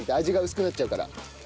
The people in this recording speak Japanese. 味が薄くなっちゃうから。